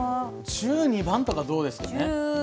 １２番とかどうですかね？